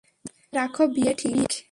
ধরে রাখ বিয়ে ঠিক।